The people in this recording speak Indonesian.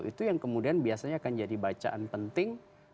itu yang kemudian biasanya akan jadi bacaan penting